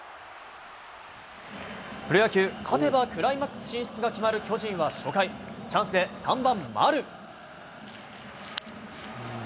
プロ野球勝てばクライマックス進出が決まる巨人は初回チャンスで３番、丸。